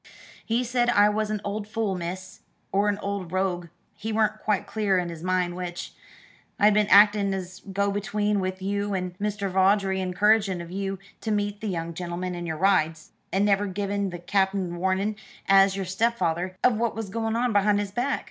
"He said I was a old fool, miss, or a old rogue, he weren't quite clear in his mind which. I'd been actin' as go between with you and Mr. Vawdrey, encouragin' of you to meet the young gentleman in your rides, and never givin' the Cap'en warnin', as your stepfeather, of what was goin' on behind his back.